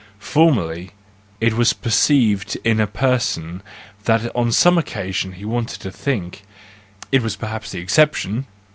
Formerly it was perceived in a person that on some occasion he wanted to think—it was perhaps the exception